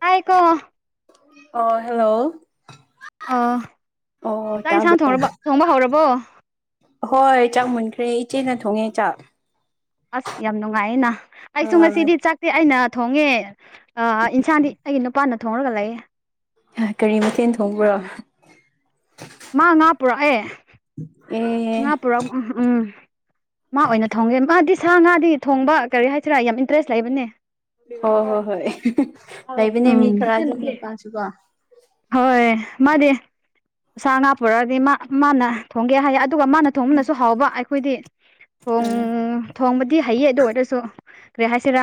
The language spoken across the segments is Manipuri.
ꯇꯥꯏꯀꯣ ꯑꯣ ꯍꯦꯜꯂꯣ ꯑꯣ ꯆꯥꯛ ꯌꯦꯟꯁꯥꯡ ꯊꯣꯡꯔꯕ ꯊꯣꯡꯕ ꯍꯧꯔꯕꯣ ꯍꯣꯏ ꯆꯥꯛ ꯃꯨꯟꯈ꯭ꯔꯦ ꯏꯆꯦꯅ ꯊꯣꯡꯉꯦ ꯆꯥꯛ ꯑꯁ ꯌꯥꯝ ꯅꯨꯡꯉꯥꯏꯌꯦ ꯅ ꯑꯩꯁꯨ ꯉꯁꯤꯗꯤ ꯆꯥꯛ ꯑꯩꯅ ꯊꯣꯡꯉꯦ ꯏꯟꯁꯥꯡꯗꯤ ꯑꯥ ꯑꯩꯒꯤ ꯅꯨꯄꯥꯅ ꯊꯣꯡꯉꯒ ꯂꯩꯌꯦ ꯍꯥ ꯀꯔꯤ ꯃꯊꯦꯜ ꯊꯣꯡꯕ꯭ꯔꯣ ꯃꯥ ꯉꯥ ꯄꯨꯔꯛꯑꯦ ꯑꯦ ꯉꯥ ꯄꯨꯔꯝ ꯎꯝ ꯎꯝ ꯃꯥ ꯑꯣꯏꯅ ꯊꯣꯡꯒꯦ ꯃꯥꯗꯤ ꯁꯥ ꯉꯥꯗꯤ ꯊꯣꯡꯕ ꯀꯔꯤ ꯍꯥꯏꯁꯤꯔꯥ ꯌꯥꯝ ꯏꯟꯇꯔꯦꯁ ꯂꯩꯕꯅꯦ ꯍꯣꯏ ꯍꯣꯏ ꯍꯣꯏ [unintelligible] ꯂꯩꯕꯅꯦ ꯃꯤ ꯎꯝ ꯈꯔ ꯑꯗꯨꯝ ꯅꯨꯄꯥꯁꯨꯀꯣ ꯍꯣꯏ ꯃꯥꯗꯤ ꯁꯥ ꯉꯥ ꯄꯨꯔꯛꯑꯗꯤ ꯃꯥ ꯃꯥꯅ ꯊꯣꯡꯒꯦ ꯍꯥꯏꯌꯦ ꯑꯗꯨꯒ ꯃꯥꯅ ꯊꯣꯡꯕꯅꯁꯨ ꯍꯥꯎꯕ ꯑꯩꯈꯣꯏꯗꯤ ꯊꯣꯡ ꯎꯝ ꯊꯣꯡꯕꯗꯤ ꯍꯩꯌꯦ ꯑꯗꯨ ꯑꯣꯏꯔꯁꯨ ꯀꯔꯤ ꯍꯥꯏꯁꯤꯔꯥ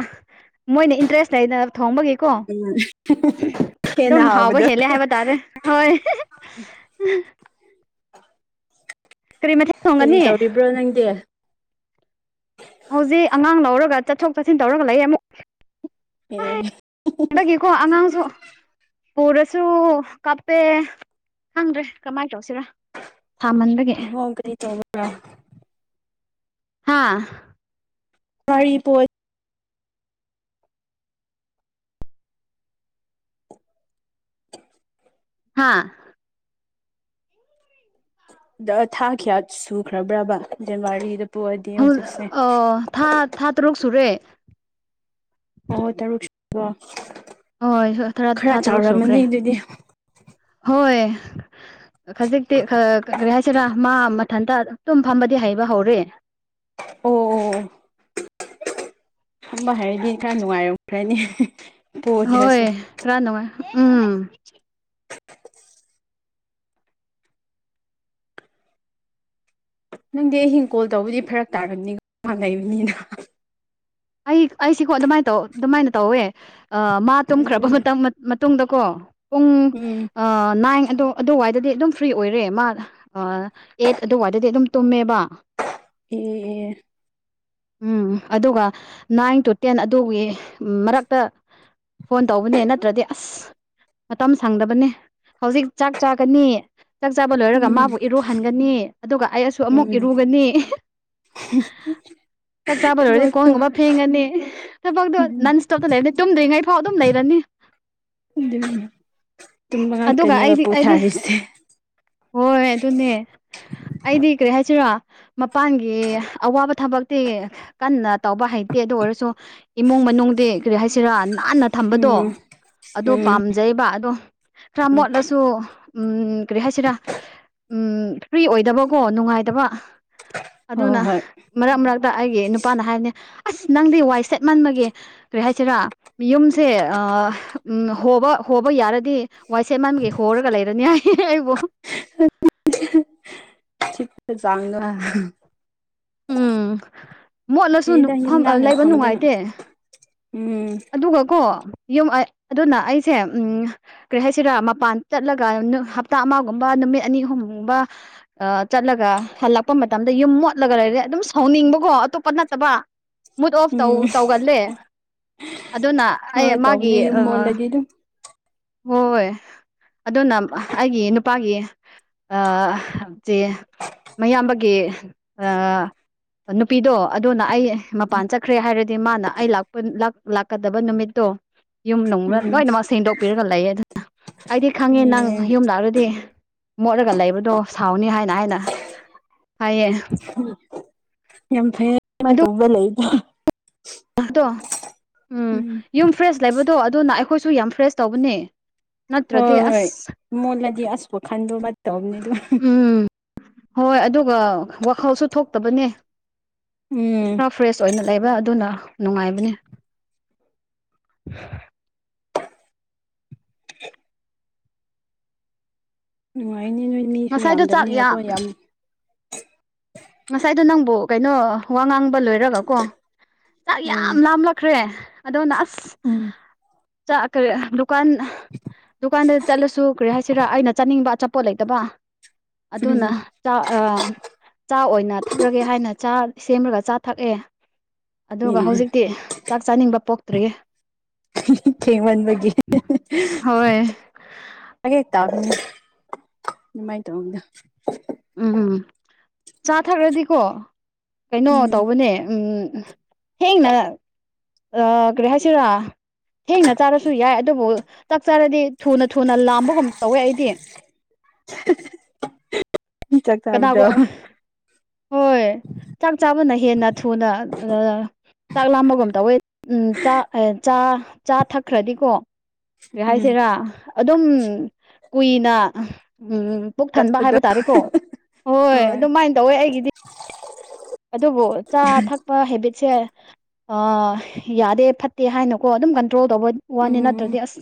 ꯃꯣꯏꯅ ꯏꯟꯇꯔꯦꯁ ꯂꯩꯅ ꯊꯣꯡꯕꯒꯤꯀꯣ ꯎꯝ [unintelligible] ꯍꯦꯟꯅ ꯑꯗꯨꯝ ꯍꯥꯎꯕ ꯍꯥꯎꯕꯗꯣ ꯍꯦꯜꯂꯦ ꯍꯥꯏꯕ ꯇꯥꯔꯦ ꯍꯣꯏ [unintelligible] ꯀꯔꯤ ꯃꯊꯦꯜ ꯀꯔꯤ ꯊꯣꯡꯒꯅꯤ ꯇꯧꯔꯤꯕ꯭ꯔꯣ ꯅꯪꯗꯤ ꯍꯧꯖꯤꯛ ꯑꯉꯥꯡ ꯂꯧꯔꯒ ꯆꯠꯊꯣꯛ ꯆꯠꯁꯤꯟ ꯇꯧꯔꯒ ꯂꯩꯌꯦ ꯑꯃꯨꯛ ꯑꯦ ꯍꯟꯗꯛꯀꯤꯀꯣ ꯑꯉꯥꯡꯖꯨ ꯄꯨꯔꯁꯨ ꯀꯞꯄꯦ ꯈꯪꯗ꯭ꯔꯦ ꯀꯃꯥꯏ ꯇꯧꯁꯤꯔꯥ ꯁꯥꯃꯟꯕꯒꯤ ꯍꯣꯡ ꯀꯔꯤ ꯇꯧꯕ꯭ꯔꯥ ꯍꯥꯥ ꯀꯔꯤ ꯄꯣꯠ ꯍꯥꯥ ꯗ ꯊꯥ ꯀꯌꯥ ꯁꯨꯈ꯭ꯔꯕ꯭ꯔꯕ ꯖꯟꯋꯥꯔꯤꯗ ꯍꯧ ꯑꯥ ꯊꯥꯥ ꯊꯥ ꯇꯔꯨꯛ ꯁꯨꯔꯦ ꯑꯣ ꯇꯔꯨꯛꯁꯨꯔꯕꯣ ꯍꯣꯏ [unintelligible] ꯊꯥ ꯇꯔꯨꯛ ꯁꯨꯈ꯭ꯔꯦ ꯍꯣꯏ ꯈꯖꯤꯛꯇꯤ ꯈꯥ ꯀꯔꯤ ꯍꯥꯏꯁꯤꯔꯥ ꯃꯥ ꯃꯊꯟꯇꯥ ꯇꯨꯝ ꯐꯝꯕꯗꯤ ꯍꯩꯕ ꯍꯧꯔꯦ ꯑꯣ ꯑꯣ ꯐꯝꯕ ꯍꯩꯔꯗꯤ ꯈꯔ ꯅꯨꯡꯉꯥꯏꯔꯝꯈ꯭ꯔꯅꯤ ꯍꯣꯏ ꯄꯣꯗ꯭ꯔꯁꯨ ꯈꯔ ꯅꯨꯡꯉꯥꯏ ꯎꯝ ꯅꯪꯗꯤ ꯑꯍꯤꯡ ꯀꯣꯜ ꯇꯧꯕꯗꯤ ꯐꯔꯛ ꯇꯥꯔꯝꯅꯤꯥ ꯑꯉꯥꯡ ꯂꯩꯩꯕꯅꯤꯅ ꯑꯩ ꯑꯩꯁꯤꯀꯣ ꯑꯗꯨꯃꯥꯏꯅ ꯇꯧ ꯑꯗꯨꯃꯥꯏꯅ ꯇꯧꯋꯦ ꯑ ꯃꯥ ꯇꯨꯝꯈ꯭ꯔꯕ ꯑꯗꯨꯅꯦ ꯃꯇꯝ ꯃꯇꯨꯡꯗꯀꯣ ꯎꯝ ꯑ ꯅꯥꯏꯟ ꯑꯗꯣ ꯑꯗꯨꯋꯥꯏꯗꯗꯤ ꯑꯗꯨꯝ ꯐ꯭ꯔꯤ ꯑꯣꯏꯔꯦ ꯃꯥ ꯑꯥ ꯑꯦꯠ ꯑꯗꯨꯋꯥꯏꯗꯗꯤ ꯑꯗꯨꯝ ꯇꯨꯝꯃꯦꯕ ꯑꯦꯑꯦꯑꯦ ꯎꯝ ꯑꯗꯨꯒ ꯅꯥꯏꯟ ꯇꯨ ꯇꯦꯟ ꯑꯗꯨꯒꯤ ꯃꯔꯛꯇ ꯐꯣꯟ ꯇꯧꯕꯅꯦ ꯅꯠꯇ꯭ꯔꯗꯤ ꯑꯁ ꯃꯇꯝ ꯁꯪꯗꯕꯅꯦ ꯍꯧꯖꯤꯛ ꯆꯥꯛ ꯆꯥꯒꯅꯤ ꯆꯥꯛ ꯆꯥꯕ ꯂꯣꯏꯔꯒ ꯎꯝ ꯃꯥꯕꯨ ꯏꯔꯨꯍꯟꯒꯅꯤ ꯑꯗꯨꯒ ꯑꯩꯁꯨ ꯑꯃꯨꯛ ꯏꯔꯨꯒꯅꯤ ꯊꯕꯛ ꯐꯪ ꯑꯃ ꯐꯦꯡꯉꯅꯤ ꯊꯕꯛꯇꯣ ꯅꯟ ꯏꯁꯇꯣꯞꯇ ꯂꯩꯔꯅꯤ ꯇꯨꯝꯗ꯭ꯔꯤꯉꯩ ꯐꯥꯎ ꯑꯗꯨꯝ ꯂꯩꯔꯅꯤ ꯑꯗꯨꯅꯦ ꯇꯨꯝꯕ ꯑꯗꯨꯒ ꯉꯥꯛꯇꯅꯦꯕ ꯑꯩꯗꯤ ꯑꯩꯗꯤ ꯄꯣꯊꯥꯔꯤꯁꯦ ꯍꯣꯏ ꯑꯗꯨꯅꯦ ꯑꯩꯗꯤ ꯀꯔꯤ ꯍꯥꯏꯁꯤꯔ ꯃꯄꯥꯟꯒꯤ ꯑꯋꯥꯕ ꯊꯕꯛꯇꯤ ꯀꯟꯅ ꯇꯧꯕ ꯍꯩꯇꯦ ꯑꯗꯨ ꯑꯣꯏꯔꯁꯨ ꯏꯃꯨꯡ ꯃꯅꯨꯡꯗꯤ ꯀꯔꯤ ꯍꯥꯏꯁꯤꯔꯥ ꯅꯥꯟꯅ ꯊꯝꯕꯗꯣ ꯎꯝ ꯑꯗꯣ ꯎꯝ ꯄꯥꯝ ꯖꯩꯕ ꯑꯗꯣ ꯈꯔ ꯎꯝ ꯃꯣꯠꯂꯁꯨ ꯎꯝ ꯀꯔꯤ ꯍꯥꯏꯁꯤꯔꯥ ꯎꯝ ꯐ꯭ꯔꯤ ꯑꯣꯏꯗꯕꯀꯣ ꯅꯨꯡꯉꯥꯏꯇꯕ ꯍꯣꯏ ꯑꯗꯨꯅ ꯍꯣꯏ ꯃꯔꯛ ꯃꯔꯛꯇ ꯑꯩꯒꯤ ꯅꯨꯄꯥꯅ ꯍꯥꯏꯕꯅꯦ ꯑꯁ ꯅꯪꯗꯤ ꯋꯥꯏ ꯁꯦꯠ ꯃꯟꯕꯒꯤ ꯀꯔꯤ ꯍꯥꯏꯁꯤꯔ ꯌꯨꯝꯁꯦ ꯑꯥ ꯎꯝ ꯍꯣꯕ ꯍꯣꯕ ꯌꯥꯔꯗꯤ ꯋꯥꯏꯁꯤꯜ ꯃꯟꯕꯒꯤ ꯍꯣꯔꯒ ꯂꯩꯔꯅꯤ ꯍꯥꯏꯌꯦ ꯑꯩꯕꯣ ꯑꯗꯨꯗꯤ [unintelligible] ꯁꯤꯠꯄꯒꯤ [unintelligible] ꯎꯝ ꯃꯣꯠꯂꯁꯨ ꯐꯩꯗ ꯌꯨꯝ ꯐꯝ ꯅꯥꯟꯅ ꯂꯩꯕ ꯊꯝꯕꯅ ꯅꯨꯡꯉꯥꯏꯇꯦ ꯎꯝ ꯑꯗꯨꯒꯀꯣ ꯌꯨꯝ ꯑ ꯑꯗꯨꯅ ꯑꯩꯁꯦ ꯎꯝ ꯀꯔꯤ ꯍꯥꯏꯁꯤꯔꯥ ꯃꯄꯥꯟ ꯆꯠꯂꯒ ꯍꯞꯇꯥ ꯑꯃꯒꯨꯝꯕ ꯅꯨꯃꯤꯠ ꯑꯅꯤ ꯑꯍꯨꯝꯒꯨꯝꯕ ꯑꯥ ꯆꯠꯂꯒ ꯍꯜꯂꯛꯄ ꯃꯇꯝꯗ ꯌꯨꯝ ꯃꯣꯠꯂꯒ ꯂꯩꯔꯗꯤ ꯑꯗꯨꯝ ꯁꯥꯎꯅꯤꯡꯕꯀꯣ ꯑꯇꯣꯞꯄ ꯅꯠꯇꯕ ꯃꯨꯠ ꯑꯣꯐ ꯇꯧ ꯎꯝ ꯇꯧꯒꯜꯂꯦ ꯑꯗꯨꯅ ꯑꯩ ꯍꯣꯏ ꯃꯥꯒꯤ ꯇꯧꯕꯅꯦ ꯌꯨꯝ ꯑ ꯃꯣꯜꯂꯗꯤ ꯑꯗꯨꯝ ꯍꯣꯏ ꯑꯗꯨꯅ ꯑꯩꯒꯤ ꯅꯨꯄꯥꯒꯤ ꯑꯥ ꯆꯦ ꯃꯌꯥꯝꯕꯒꯤ ꯑ ꯅꯨꯄꯤꯗꯣ ꯑꯗꯨꯅ ꯑꯩ ꯃꯄꯥꯟ ꯆꯠꯈ꯭ꯔꯦ ꯍꯥꯏꯔꯗꯤ ꯃꯥꯅ ꯑꯩ ꯂꯥꯛꯄ ꯂꯥꯛꯀꯗꯕ ꯅꯨꯃꯤꯠꯇꯣ ꯌꯨꯝ ꯅꯨꯡꯅ ꯎꯝ ꯂꯣꯏꯅꯃꯛ ꯁꯦꯡꯗꯣꯛꯄꯤꯔꯒ ꯂꯩꯌꯦ ꯑꯗꯨꯅ ꯑꯩꯗꯤ ꯈꯪꯉꯦ ꯅꯪ ꯑꯦ ꯌꯨꯝꯂꯥꯛꯂꯗꯤ ꯃꯣꯠꯂꯒ ꯂꯩꯕꯗꯣ ꯁꯥꯎꯅꯤ ꯍꯥꯏꯅ ꯍꯥꯏꯅ ꯍꯥꯏꯌꯦ ꯌꯥꯝ ꯐꯩꯌꯦ ꯑꯗꯨꯃꯥꯏꯅ ꯇꯧꯕꯗ ꯂꯩꯕꯗꯣ ꯑꯗꯣ ꯎꯝ ꯌꯨꯝ ꯐ꯭ꯔꯦꯁ ꯂꯩꯕꯗꯣ ꯑꯗꯨꯅ ꯑꯩꯈꯣꯏꯁꯨ ꯌꯥꯝ ꯐ꯭ꯔꯦꯁ ꯇꯧꯕꯅꯦ ꯅꯠꯇ꯭ꯔꯗꯤ ꯍꯣꯏ ꯍꯣꯏ ꯑꯁ ꯃꯣꯜꯂꯗꯤ ꯑꯁ ꯋꯥꯈꯟꯗꯣ ꯑꯃ ꯇꯧꯕꯅꯤ ꯑꯗꯨ ꯎꯝ ꯍꯣꯏ ꯑꯗꯨꯒ ꯋꯥꯈꯜꯁꯨ ꯊꯣꯛꯇꯕꯅꯦ ꯎꯝ ꯈꯔ ꯐ꯭ꯔꯦꯁ ꯑꯣꯏꯅ ꯂꯩꯕ ꯑꯗꯨꯅ ꯅꯨꯡꯉꯥꯏꯕꯅꯤ ꯅꯨꯡꯉꯥꯏꯅꯤ ꯅꯣꯏ ꯃꯤꯁꯨ ꯉꯁꯥꯏꯗꯣ ꯆꯥꯛ ꯌꯥꯝꯗꯕꯅꯤꯅ ꯑꯩꯈꯣꯏꯅ ꯌꯥꯝ ꯉꯁꯥꯏꯗꯣ ꯅꯪꯕꯨ ꯀꯩꯅꯣ ꯋꯥ ꯉꯥꯡꯕ ꯂꯣꯏꯔꯒ ꯀꯣ ꯆꯥꯛ ꯌꯥꯝ ꯎꯝ ꯂꯥꯝꯂꯛ ꯈ꯭ꯔꯦ ꯑꯗꯣꯅ ꯑꯁ ꯎꯝ ꯆꯥ ꯀꯔꯤ ꯗꯨꯀꯥꯟ ꯗꯨꯀꯥꯟꯗ ꯆꯠꯂꯁꯨ ꯀꯔꯤ ꯍꯥꯏꯁꯤꯔꯥ ꯑꯩꯅ ꯆꯠꯅꯤꯡꯕ ꯑꯆꯥ ꯄꯣꯠ ꯂꯩꯇꯕ ꯑꯗꯨꯅ ꯆꯥ ꯑꯣꯏꯅ ꯊꯛꯂꯒꯦ ꯍꯥꯏꯅ ꯆꯥ ꯁꯦꯝꯂꯒ ꯆꯥ ꯊꯛꯑꯦ ꯎꯝ ꯑꯗꯨꯒ ꯎꯝ ꯍꯧꯖꯤꯛꯇꯤ ꯆꯥꯛ ꯆꯥꯅꯤꯡꯕ ꯄꯣꯛꯇ꯭ꯔꯤꯌꯦ ꯊꯦꯡꯃꯟꯕꯒꯤ ꯍꯣꯏ ꯍꯦꯛ ꯇꯥꯕꯅꯦ ꯑꯗꯨꯃꯥꯏꯅ ꯇꯧꯕꯅꯦ ꯎꯝ ꯎꯝ ꯆꯥꯊꯛꯔꯗꯤꯀꯣ ꯀꯩꯅꯣ ꯎꯝ ꯇꯧꯕꯅꯦ ꯎꯝ ꯊꯦꯡꯅ ꯀꯔꯤ ꯍꯥꯏꯁꯤꯔꯥ ꯊꯦꯡꯅ ꯆꯥꯔꯁꯨ ꯌꯥꯏ ꯑꯗꯨꯕꯨ ꯆꯥꯛ ꯆꯥꯔꯗꯤ ꯊꯨꯅ ꯊꯨꯅ ꯂꯥꯝꯕꯒꯨꯝ ꯇꯧꯋꯦ ꯑꯩꯗꯤ [unintelligible] ꯆꯥꯛ ꯆꯥꯕꯗꯣ ꯀꯅꯥꯒꯨꯝ ꯍꯣꯏ ꯆꯥꯛ ꯆꯥꯕꯅ ꯍꯦꯟꯅ ꯊꯨꯅ ꯆꯥꯛ ꯂꯥꯝꯕꯒꯨꯝ ꯇꯧꯋꯦ ꯎꯝ ꯆꯥ ꯆꯥ ꯆꯥ ꯊꯛꯈ꯭ꯔꯗꯤꯀꯣ ꯀꯔꯤ ꯎꯝ ꯍꯥꯏꯁꯤꯔꯥ ꯑꯗꯨꯝ ꯀꯨꯏꯅ ꯎꯝ ꯄꯨꯛ ꯊꯟꯕ ꯆꯠꯄꯗꯣ ꯍꯥꯏꯕ ꯇꯥꯔꯦꯀꯣ ꯍꯣꯏ ꯑꯗꯨꯃꯥꯏꯅ ꯇꯧꯋꯦ ꯑꯩꯒꯤꯗꯤ ꯑꯗꯨꯕꯨ ꯆꯥ ꯊꯛꯄ ꯍꯦꯕꯤꯠꯁꯦ ꯑꯥ ꯌꯥꯗꯦ ꯐꯠꯇꯦ ꯍꯥꯏꯅꯀꯣ ꯑꯗꯨꯝ ꯀꯟꯇ꯭ꯔꯣꯜ ꯇꯧꯕ ꯋꯥꯅꯦ ꯎꯝ ꯅꯠꯇ꯭ꯔꯗꯤ ꯑꯁ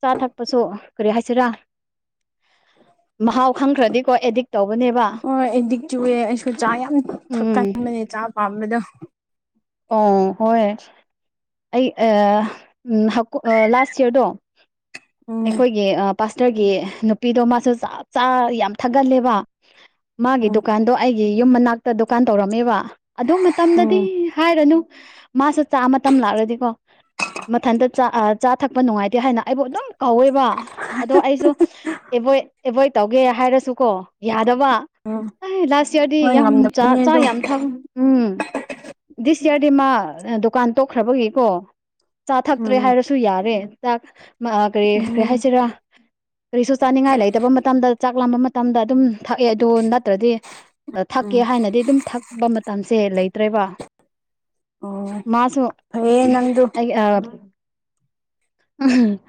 ꯆꯥ ꯊꯛꯄꯁꯨ ꯀꯔꯤ ꯍꯥꯏꯁꯤꯔꯥ ꯃꯍꯥꯎ ꯈꯪꯈ꯭ꯔꯗꯤꯀꯣ ꯑꯦꯗꯤꯛ ꯇꯧꯕꯅꯦꯕ ꯍꯣꯏ ꯑꯦꯗꯤꯛ ꯆꯨꯏꯌꯦ ꯑꯩꯁꯨ ꯆꯥ ꯌꯥꯝ ꯎꯝ ꯊꯛꯀꯟꯕꯅꯦ ꯆꯥ ꯄꯥꯝꯕꯗꯣ ꯑꯣ ꯍꯣꯏ ꯑꯩ ꯂꯥꯁ ꯌꯔꯗꯣ ꯎꯝ ꯑꯩꯈꯣꯏꯒꯤ ꯄꯥꯁꯇꯔꯒꯤ ꯅꯨꯄꯤꯗꯣ ꯃꯥꯁꯨ ꯆꯥ ꯆꯥ ꯌꯥꯝ ꯊꯥꯒꯜꯂꯦꯕ ꯃꯥꯒꯤ ꯎꯝ ꯗꯨꯀꯥꯟꯗꯣ ꯑꯩ ꯌꯨꯝ ꯃꯅꯥꯛꯇ ꯗꯨꯀꯥꯟ ꯇꯧꯔꯝꯃꯦꯕ ꯑꯗꯨ ꯎꯝ ꯃꯇꯝꯗꯗꯤ ꯍꯥꯏꯔꯅꯨ ꯃꯥꯁꯨ ꯆꯥꯛ ꯃꯇꯝ ꯂꯥꯛꯑꯗꯤꯀꯣ ꯃꯊꯟꯇ ꯆꯥ ꯆꯥ ꯊꯛꯄ ꯅꯨꯡꯉꯥꯏꯇꯦ ꯍꯥꯏꯅ ꯑꯩꯕꯨ ꯑꯗꯨꯝ ꯀꯧꯋꯦꯕ ꯑꯗꯣ ꯑꯩꯁꯨ ꯑꯦꯕꯣꯏ ꯑꯦꯕꯣꯏꯠ ꯇꯧꯒꯦ ꯍꯥꯏꯔꯁꯨꯀꯣ ꯌꯥꯗꯕ ꯎꯝ ꯑꯩ ꯂꯥꯁ ꯏꯌꯥꯔꯗꯤ ꯍꯣꯏ ꯌꯥꯝ ꯉꯝꯗꯕꯅꯦ ꯆꯥ ꯑꯗꯣ ꯌꯥꯝ ꯊꯪ ꯎꯝ ꯗꯤꯁ ꯏꯌꯥꯔꯗꯤ ꯃꯥ ꯗꯨꯀꯥꯟ ꯇꯣꯛꯈ꯭ꯔꯕꯒꯤꯀꯣ ꯆꯥ ꯊꯛꯇ꯭ꯔꯦ ꯎꯝ ꯍꯥꯏꯔꯁꯨ ꯁꯨ ꯌꯥꯔꯦ ꯆꯥꯛ ꯀꯔꯤ ꯀꯔꯤ ꯎꯝ ꯍꯥꯏꯁꯤꯔꯥ ꯀꯔꯤꯁꯨ ꯆꯥꯅꯤꯡꯉꯥꯏ ꯂꯩꯇꯕ ꯃꯇꯝꯗ ꯆꯥꯛ ꯂꯥꯝꯕ ꯃꯇꯝꯗ ꯑꯗꯨꯝ ꯊꯛꯑꯦ ꯑꯗꯨ ꯅꯠꯇ꯭ꯔꯗꯤ ꯑ ꯎꯝ ꯊꯛꯀꯦ ꯍꯥꯏꯅꯗꯤ ꯑꯗꯨꯝ ꯊꯛꯄ ꯃꯇꯝꯁꯦ ꯂꯩꯇ꯭ꯔꯦꯕ꯫ ꯑꯣ ꯃꯥꯁꯨ ꯐꯩꯌꯦ ꯅꯪꯗꯣ ꯑꯩ ꯑꯥ [unintelligible]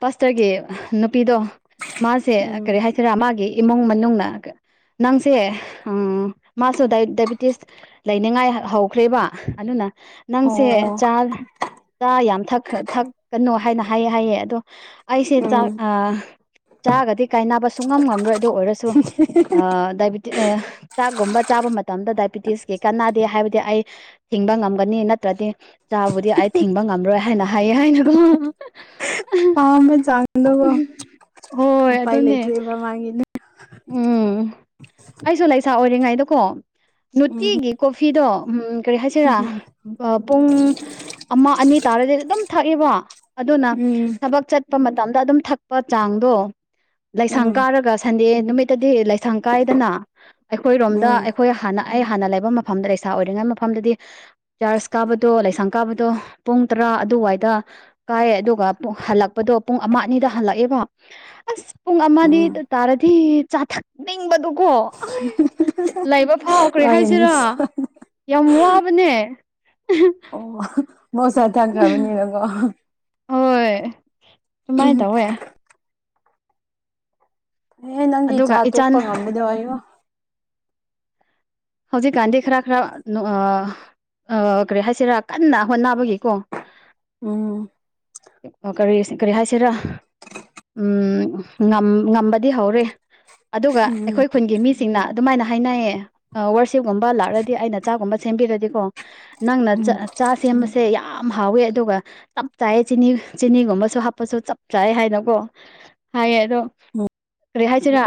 ꯄꯥꯁꯇꯔꯒꯤ ꯅꯨꯄꯤꯗꯣ ꯃꯥꯁꯦ ꯎꯝ ꯀꯔꯤ ꯍꯥꯏ ꯁꯤꯔꯥ ꯃꯥꯒꯤ ꯏꯃꯨꯡ ꯃꯅꯨꯡꯅ ꯅꯪꯁꯦ ꯃꯥꯁꯨ ꯗꯥꯏꯕꯤꯇꯤꯁ ꯂꯩꯅꯤꯡꯉꯥꯏ ꯍꯧ ꯈ꯭ꯔꯦꯕ ꯑꯗꯨꯅ ꯅꯪꯁꯦ ꯑꯣ ꯆꯥ ꯆꯥ ꯌꯥꯝ ꯊꯛꯈ ꯊꯛ ꯀꯅꯨ ꯍꯥꯏꯅ ꯍꯥꯏꯌꯦ ꯍꯥꯏꯌꯦ ꯑꯗꯣ ꯑꯩꯁꯦ ꯎꯝ ꯆꯥꯛ ꯑ ꯆꯥꯒꯗꯤ ꯀꯥꯏꯅꯕ ꯁꯨꯨꯡꯉꯝ ꯉꯝꯔꯣꯏ ꯑꯗꯨ ꯑꯣꯏꯔꯁꯨ ꯑꯥ ꯗꯥꯏꯕ ꯇꯤ ꯑ ꯆꯥꯛꯒꯨꯝꯕ ꯆꯥꯕ ꯃꯇꯝꯗ ꯗꯥꯏꯕꯤꯇꯤꯁꯀꯤ ꯀꯥꯟꯅꯗꯦ ꯍꯥꯏꯕꯗꯤ ꯑꯩ ꯍꯤꯡꯕ ꯉꯒꯅꯤ ꯅꯠꯇꯔꯥꯗꯤ ꯆꯥꯕꯨꯗꯤ ꯑꯩ ꯊꯤꯡꯕ ꯉꯝꯔꯣꯏ ꯍꯥꯏꯅ ꯍꯥꯏꯌꯦ ꯍꯥꯏꯅꯀꯣ [unintelligible] ꯄꯥꯝꯕ ꯆꯥꯡꯗꯣꯀꯣ ꯍꯣꯏ ꯎꯄꯥꯏ ꯑꯗꯨꯅꯦ ꯂꯩꯇ꯭꯭ꯔꯦꯕ ꯃꯥꯒꯤꯅ ꯎꯝ ꯑꯩꯁꯨ ꯂꯩꯁꯥ ꯑꯣꯏꯔꯤꯉꯩꯗꯀꯣ ꯎꯝ ꯅꯨꯠꯇꯤꯒꯤ ꯀꯣꯐꯤꯗꯣ ꯎꯝ ꯀꯔꯤ ꯍꯥꯏꯁꯤꯔꯥ꯫ ꯎꯝ ꯑ ꯄꯨꯡ ꯑꯃ ꯑꯅꯤ ꯇꯥꯔꯗꯤ ꯑꯗꯨꯝ ꯊꯛꯏꯕ ꯑꯗꯨꯅ ꯎꯝ ꯊꯕꯛ ꯆꯠ ꯄ ꯃꯇꯝꯗ ꯑꯗꯨꯝ ꯊꯛꯄ ꯆꯥꯡꯗꯣ ꯂꯩꯥꯁꯪ ꯎꯝ ꯀꯥꯔꯒ ꯁꯟꯗꯦ ꯅꯨꯃꯤꯠꯇꯗꯤ ꯂꯩꯥꯁꯪ ꯀꯥꯑꯦꯗꯅꯥ ꯑꯩꯈꯣꯏꯔꯣꯝꯗ ꯎꯝ ꯑꯩꯈꯣꯏ ꯍꯥꯟꯅ ꯑꯩ ꯍꯥꯟꯅ ꯂꯩꯕ ꯃꯐꯝꯗ ꯂꯩꯁꯥ ꯑꯣꯏꯔꯤꯉꯩ ꯃꯐꯝꯗꯗꯤ ꯆꯔꯁ ꯀꯥꯕꯗꯣ ꯂꯩꯁꯥꯡ ꯀꯥꯕꯗꯣ ꯄꯨꯡ ꯇꯔꯥ ꯑꯗꯨꯋꯥꯏꯗ ꯀꯥꯑꯦ ꯑꯗꯨꯒ ꯍꯜꯂꯛꯄꯗꯣ ꯄꯨꯡ ꯑꯃ ꯑꯅꯤꯗ ꯍꯜꯂꯛꯑꯦꯕ ꯑꯁ ꯄꯨꯡ ꯑꯃꯗꯤ ꯎꯝ ꯇꯥꯔꯗꯤ ꯆꯥ ꯊꯛ ꯅꯤꯡꯕꯗꯨꯀꯣ ꯑꯥꯏ ꯂꯩꯕꯐꯥꯎ ꯀꯔꯤ ꯍꯥꯏꯁꯤꯔꯥ꯫ ꯑꯩꯅꯤꯁ ꯌꯥꯝ ꯋꯥꯕꯅꯦ [unintelligible] ꯑꯣ ꯃꯣꯁꯥ ꯊꯟ ꯈ꯭ꯔꯕꯅꯤꯅꯀꯣ꯫ ꯍꯣꯏ ꯑꯗꯨꯃꯥꯏ ꯇꯧꯋꯦ꯫ ꯑꯦ ꯅꯪꯗꯤ ꯆꯥ ꯑꯗꯨꯒ ꯏꯆꯥꯟ ꯇꯣꯛꯄ ꯉꯝꯒꯗꫭ ꯑꯩꯌꯣ꯫ ꯍꯧꯖꯤꯛ ꯀꯥꯟꯗꯤ ꯈ꯭ꯔ ꯈ꯭ꯔ ꯅꯣ ꯑꯥ ꯑꯥ ꯀꯔꯤ ꯍꯥꯏꯁꯤꯔꯥ ꯀꯟꯅ ꯍꯣꯠꯅꯕꯒꯤꯀꯣ꯫ ꯎꯝ꯫ ꯑ ꯀꯔꯤ ꯀꯔꯤ ꯍꯥꯏꯁꯤꯔꯥ꯫ ꯎꯝ ꯉꯝ ꯉꯝꯕꯗꯤ ꯍꯧꯔꯦ ꯑꯗꯨꯒ ꯎꯝ ꯑꯩꯈꯣꯏ ꯈꯨꯟꯒꯤ ꯃꯤꯁ ꯁꯤꯡꯅ ꯑꯗꯨꯃꯥꯏꯅ ꯍꯥꯏꯅꯩꯌꯦ ꯑ ꯋꯥꯔꯁꯤꯞꯒꯨꯝꯕ ꯂꯥꯛꯂꯗꯤ ꯑꯩꯅ ꯆꯥꯛꯒꯨꯝꯕ ꯁꯦꯝꯕꯤꯔꯗꯤꯀꯣ꯫ ꯅꯪꯅ ꯆ ꯎꯝ ꯆꯥ ꯁꯦꯝꯕꯁꯦ ꯌꯥꯝ ꯍꯥꯎꯋꯦ ꯑꯗꯨꯒ ꯆꯞ ꯆꯥꯏꯌꯦ ꯆꯤꯅꯤ ꯆꯤꯅꯤꯒꯨꯝꯕꯁꯨ ꯍꯥꯞꯄꯁꯨ ꯆꯥꯞ ꯆꯥꯌꯦ ꯍꯥꯏꯅꯀꯣ꯫ ꯍꯥꯏꯌꯦ ꯑꯗꯣ ꯎꯝ ꯀꯔꯤ ꯍꯥꯏꯁꯤꯔꯥ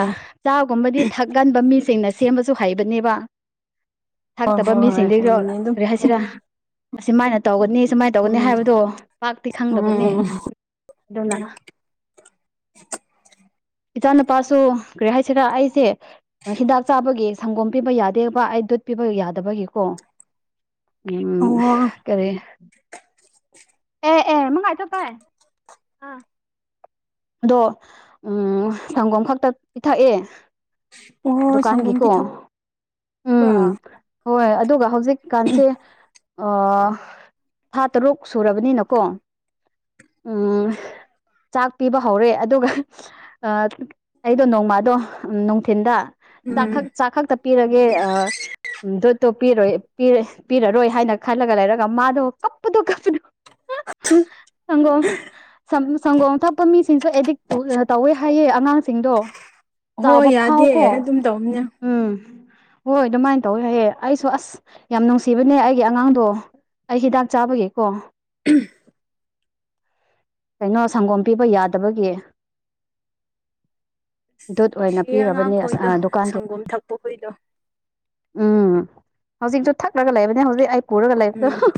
ꯆꯥꯒꯨꯝꯕꯗꯤ ꯊꯛꯒꯟꯕ ꯃꯤꯁꯤꯡꯅ ꯁꯦꯝꯕꯁꯨ ꯍꯩꯕꯅꯦꯕ꯫ ꯍꯣꯏ ꯊꯥꯛꯇꯕ ꯍꯣꯏ ꯍꯣꯏ ꯃꯤꯁꯤꯡꯗꯒꯤ ꯒꫭ ꯍꯩꯕꯅꯦ ꯑꯗꯨꯝ ꯀꯔꯤ ꯍꯥꯏꯁꯤꯔꯥ꯫ ꯑꯁꯤꯃꯥꯏꯅ ꯇꯧꯒꯅꯤ ꯁꯨꯃꯥꯏꯅ ꯇꯧꯒꯅꯤ ꯎꯝ ꯍꯥꯏꯕꯗꯣ ꯄꯥꯛꯇꯤ ꯈꯪꯗꯕꯅꯦ‌꯫ ꯎꯝ ꯑꯗꯨꯅ [inaudible] ꯏꯆꯥ ꯅꯨꯨꯄꯥꯁꯨ ꯀꯔꯤ ꯍꯥꯏꯁꯤꯔꯥ ꯑꯩꯁꯦ ꯍꯤꯗꯥꯛ ꯆꯥꯕꯒꯤ ꯁꯪꯒꯣꯝ ꯄꯤꯕ ꯌꯥ ꯇꯦꯛꯕ ꯑꯩ ꯗꯨꯠ ꯄꯤꯕ ꯌꯥꯗꯕꯒꯤꯀꯣ ꯎꯝ ꯑꯣ ꯀꯔꯤ꯫ [inaudible] [unintelligible] ꯑꯗꯣ ꯎꯝ ꯁꯪꯒꯣꯝ ꯈꯛꯇ ꯄꯤꯊꯛꯑꯦ꯫ ꯑꯣ ꯁꯪꯒꯣꯝ ꯗꯨꯀꯥꯟꯒꯤꯀꯣ ꯎꯝ꯫ ꯄꯤꯊꯛꯄ꯭ꯔꯥ ꯍꯣꯏ ꯑꯗꯨꯒ ꯍꯧꯖꯤꯛꯀꯥꯟꯁꯦ ꯑꯣ ꯊꯥ ꯇꯔꯨꯛ ꯁꯨꯔꯕꯅꯤꯅꯀꯣ ꯎꯝ꯫ ꯆꯥꯛ ꯄꯤꯕ ꯍꯧꯔꯦ ꯑꯗꯨꯒ ꯑꯥ ꯑꯩꯗꯣ ꯅꯣꯡꯃꯥꯗꯣ ꯎꯝ ꯅꯨꯡꯊꯤꯟꯗ ꯆꯥꯛꯈꯛ ꯎꯝ ꯆꯥꯛꯈꯛꯇ ꯄꯤꯔꯒꯦ ꯑꯥ꯫ ꯗꯣꯠꯇꯣ ꯄꯤꯔꯣꯏ ꯄꯤꯔ ꯄꯤꯔꯔꯣꯏ ꯍꯥꯏꯅ ꯈꯜꯂꯒ ꯂꯩꯔꯒ ꯃꯥꯗꯣ ꯀꯞꯄꯗꯣ ꯀꯞꯄꯗꯣ꯫ ꯁꯪꯒꯣꯡ ꯁꯝ ꯁꯪꯒꯣꯡ ꯊꯛ ꯃꯤꯁꯤꯡꯁꯨ ꯑꯦꯗꯤꯛ ꯇꯨ ꯇꯧꯋꯦ ꯍꯥꯏꯌꯦ ꯑꯉꯥꯡꯁꯤꯡꯗꯣ꯫ ꯍꯣꯏ ꯆꯥꯎꯕ ꯐꯥꯎ ꯌꯥꯗꯦ ꯀꯣ ꯑꯗꯨꯝ ꯇꯧꯝꯅꯦ ꯎꯝ ꯍꯣꯏ ꯑꯗꯨꯃꯥꯏꯟ ꯇꯧꯋꯦ ꯍꯥꯏꯌꯦ ꯑꯩꯁꯨ ꯑꯁ ꯌꯥꯝ ꯅꯨꯡꯁꯤꯕꯅꯦ ꯑꯩꯒꯤ ꯑꯉꯥꯡꯗꯣ ꯑꯩ ꯍꯤꯗꯥꯛ ꯆꯥꯕꯒꯤꯀꯣ꯫ ꯎꯝ ꯀꯩꯅꯣ ꯁꯪꯒꯣꯝ ꯄꯤꯕ ꯌꯥꯗꯕꯒꯤ꯫ ꯗꯨꯠ ꯑꯣꯏꯅ ꯅꯨꯡꯁꯤꯌꯦ ꯄꯤꯔꯕꯅꯦ ꯑꯉꯥꯡꯈꯣꯏꯗꯣ ꯑꯁ ꯗꯨꯀꯥꯟꯒꯤ ꯁꯪꯒꯣꯝ ꯊꯛꯄ ꯈꯨꯏꯗꯣ ꯎꯝ ꯍꯧꯖꯤꯛꯁꯨ ꯊꯛꯂꯒ ꯂꯩꯕꯅꯦ ꯍꯧꯖꯤꯛ ꯑꯩ ꯄꯨꯔꯒ ꯎꯝ ꯂꯩꯕꯗꯣ ꯫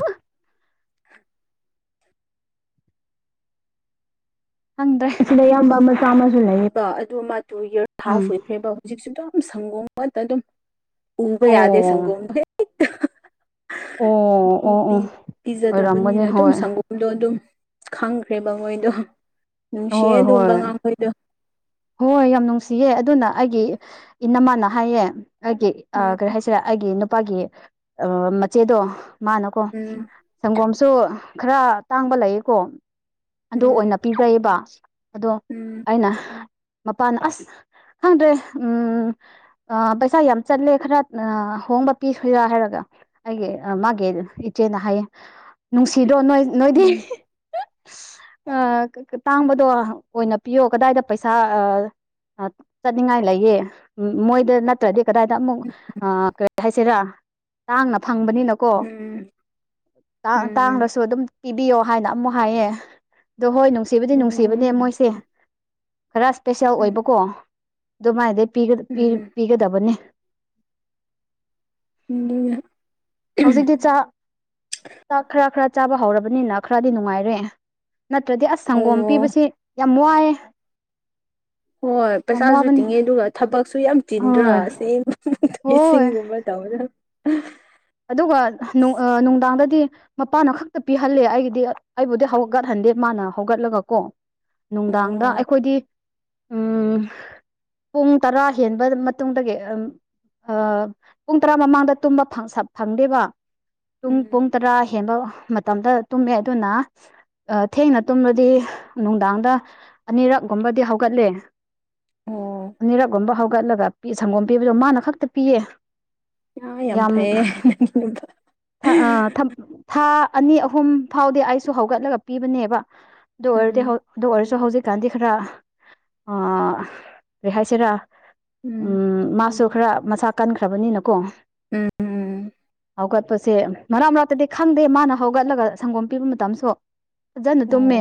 ꯈꯪꯗ꯭ꯔꯦ [unintelligible] ꯑꯌꯥꯝꯕ ꯃꯆꯥꯥ ꯑꯃꯁꯨ ꯂꯩꯌꯦꯕ ꯑꯗꯨ ꯃꯥ ꯇꯨ ꯏꯌꯔꯁ ꯎꯝ ꯍꯥꯐ ꯑꯣꯏꯈ꯭ꯔꯦꯕ ꯍꯧꯖꯤꯛꯁꯨ ꯑꯗꯨꯝ ꯁꯪꯒꯣꯝ ꯉꯠꯇ ꯑꯗꯨꯝ ꯎꯕ ꯑꯣ ꯌꯥꯗꯦ ꯁꯪꯒꯣꯝꯗꯣ ꯍꯦꯛꯇ ꯑꯣ ꯑꯣ ꯄꯨꯄꯤ ꯑꯣ ꯑꯣꯏꯔꯝꯒꯅꯤ ꯄꯤꯖꯗꯕꯅꯤꯅ ꯑꯗꯨꯝ ꯍꯣꯏ ꯁꯪꯒ ꯗꯣ ꯑꯗꯨꯝ ꯈꯪꯈ꯭ꯔꯦꯕ ꯃꯣꯏꯗꯣ ꯅꯨꯡꯁꯤꯌꯦ ꯍꯣꯏ ꯑꯗꯨꯨꯝꯕ ꯍꯣꯏ ꯑꯉꯥꯡꯈꯣꯏꯗꯣ꯫ ꯍꯣꯏ ꯌꯥꯝ ꯅꯨꯡꯁꯤꯌꯦ ꯑꯗꯨꯅ ꯑꯩꯒꯤ ꯏꯅꯝꯃꯥꯅ ꯍꯥꯏꯌꯦ꯫ ꯑꯩꯒꯤ ꯑ ꯎꯝ ꯀꯔꯤ ꯍꯥꯏꯁꯦꯔꯥ ꯑꯩꯒꯤ ꯅꯨꯄꯥꯒꯤ ꯑ ꯃꯆꯦꯗꯣ ꯃꯥꯅꯀꯣ꯫ ꯎꯝ ꯁꯪꯒꯣꯝꯁꯨ ꯈꯔ ꯇꯥꯡꯕ ꯂꯩꯌꯦꯀꯣ ꯑꯗꯨ ꯎꯝ ꯑꯣꯏꯅ ꯫ ꯄꯤꯖꯩꯕꯥ ꯑꯗꯣ ꯫ ꯎꯝ ꯑꯩꯅ ꯃꯄꯥꯅ ꯑꯁ ꯈꯪꯗ꯭ꯔꯦ ꯎꯝ ꯑ ꯄꯩꯁꯥ ꯌꯥꯝ ꯆꯠꯂꯦ ꯈꯔ ꯑꯥ ꯍꯣꯡꯕ ꯄꯤ ꯁꯣꯏꯔꯥ ꯍꯥꯏꯔꯒ ꯑꯩꯒꯤ ꯑ ꯃꯥꯒꯤ ꯏꯆꯦꯅ ꯍꯥꯏꯌꯦ ꯅꯨꯡꯁꯤꯗꯣ ꯅꯣꯏ ꯅꯣꯏꯗꯤ ꯎꯝ ꯇꯥꯡꯕꯗꯣ ꯑꯣꯏꯅ ꯄꯤꯌꯣ ꯀꯗꯥꯏꯗ ꯄꯩꯁ ꯁꯥ ꯑ ꯆꯠꯅꯤꯡꯉꯥꯏ ꯂꯩꯌꯦ ꯃꯣꯏꯗ ꯅꯠ ꯇ꯭ꯔꯗꯤ ꯀꯗꯥꯏꯗ ꯑꯃꯨꯛ ꯑꯥ ꯀꯔꯤ ꯍꯥꯏꯁꯦꯔꯥ ꯇꯥꯡꯅ ꯐꯪꯕꯅꯤꯅ ꯀꯣ ꯎꯝ ꯇꯥ ꯎꯝ ꯇꯥꯡꯔꯁꯨ ꯑꯗꯨꯝ ꯄꯤꯕꯤꯌꯣ ꯍꯥꯏꯅ ꯑꯃꯨꯛ ꯍꯥꯏꯌꯦ ꯑꯗꯣ ꯍꯣꯏ ꯅꯨꯡꯁꯤꯕꯗꯤ ꯅꯨꯡꯁꯤꯕꯅꯦ ꯎꯝ ꯃꯣꯏꯁꯦ ꯈꯔ ꯏꯁꯄꯦꯁꯦꯜ ꯎꯝ ꯑꯣꯏꯕꯀꯣ ꯑꯗꯨꯃꯥꯏꯅꯗꯩ ꯄꯤꯒ ꯄꯤ ꯎꯝ ꯄꯤꯒꯗꯕꯅꯦ ꯎꯝꯗꯨꯅ ꯍꯧꯖꯤꯛꯗꯤ ꯆꯥꯛ ꯆꯥꯛ ꯈꯔ ꯈꯔ ꯆꯥꯕ ꯍꯧꯔꯕꯅꯤꯅ ꯈꯔꯗꯤ ꯅꯨꯡꯉꯥꯢꯔꯦ꯫ ꯅꯠꯇ꯭ꯔꯗꯤ ꯑꯁ ꯁꯪꯒꯣꯝ ꯑꯣ ꯄꯤꯕꯁꯤ ꯌꯥꯝ ꯋꯥꯢꯌꯦ ꯍꯣꯢ ꯄꯩꯁꯥꯁꯨ ꯋꯥꯕꯅꯤ ꯇꯤꯡꯉꯦ ꯑꯗꯨꯒ ꯊꯕꯛꯁꯨ ꯌꯥꯝ ꯆꯤꯟꯗ꯭ꯔꯥ ꯍꯣꯏ ꯑꯁꯦꯡꯕꯗ ꯍꯣꯏ ꯏꯁꯤꯡꯒꯨꯝꯕ ꯇꯧꯒꯗ [unintelligible] ꯑꯗꯨꯒ ꯍꯥ ꯅꯨ ꯑ ꯅꯨꯡꯗꯥꯡꯗꯗꯤ ꯃꯄꯥꯅ ꯈꯛꯇ ꯄꯤꯍꯜꯂꯦ ꯑꯩꯒꯤꯗꯤ ꯑꯩꯕꯨꯗꯤ ꯍꯧꯒꯠꯍꯟꯗꯦ ꯃꯥꯅ ꯍꯧꯒꯠꯂꯒ ꯀꯣ꯫ ꯅꯨꯡꯗꯥꯡꯗ ꯑꯣ ꯑꯩꯈꯣꯢꯗꯤ ꯎꯝ꯫ ꯄꯨꯡ ꯇꯔꯥ ꯍꯦꯟꯕ ꯃꯇꯨꯡꯗꯒꯤ ꯑꯝ ꯑ ꯄꯨꯡ ꯇꯔꯥ ꯃꯃꯥꯡꯗ ꯇꯨꯝꯕ ꯐꯪ ꯁ ꯐꯪꯗꯦꯕ ꯄꯨꯡ ꯎꯝ ꯄꯨꯡ ꯇꯔꯥ ꯍꯦꯟꯕ ꯃꯇꯝꯗ ꯇꯨꯝꯃꯦ ꯑꯗꯨꯅ ꯑ ꯊꯦꯡꯅ ꯇꯨꯝꯔꯗꯤ ꯅꯨꯡꯗꯥꯡꯗ ꯑꯅꯤꯔꯛꯒꯨꯝꯕꯗꯤ ꯍꯧꯒꯠꯂꯦ ꯑꯣ ꯑꯅꯤꯔꯛꯒꯨꯝꯕ ꯍꯧꯒꯠꯂꯒ ꯁꯪꯒꯣꯝ ꯄꯤꯕꯗꯣ ꯃꯥꯅ ꯈꯛꯇ ꯄꯤꯌꯦ ꯌꯥꯏ ꯌꯥꯝ ꯐꯩꯌꯦ ꯅꯪ [unintelligible] ꯊ ꯑ ꯊꯝ ꯊꯥ ꯑꯅꯤ ꯑꯍꯨꯝ ꯐꯥꯎꯗꯤ ꯑꯩꯁꯨ ꯍꯧꯒꯠꯂꯒ ꯄꯤꯕꯅꯦꯕ ꯑꯗꯨ ꯑꯣꯏꯔꯗꯤ ꯎꯝ ꯍꯧ ꯑꯗꯨ ꯑꯣꯏꯔꯁꯨ ꯍꯧꯖꯤꯛ ꯀꯥꯟꯗꯤ ꯈꯔ ꯑ ꯀꯔꯤꯍꯥꯏꯁꯤꯔꯥ ꯎꯝ ꯃꯥꯁꯨ ꯈꯔ ꯃꯁꯥ ꯀꯟꯈ꯭ꯔꯕꯅꯤꯅꯀꯣ ꯎꯝ ꯎꯝ ꯎꯝ ꯍꯧꯒꯠꯄꯁꯦ ꯃꯔꯛ ꯃꯔꯛꯇꯗꯤ ꯈꯪꯗꯦ ꯃꯥꯅ ꯍꯧꯒꯠꯂꯒ ꯁꯪꯒꯣꯝ ꯄꯤꯕ ꯃꯇꯝꯁꯨ ꯐꯖꯅ ꯑꯣ ꯇꯨꯝꯃꯦ